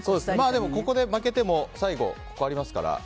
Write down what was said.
でもここで負けても最後にありますから。